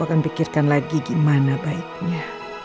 akan pikirkan lagi gimana baiknya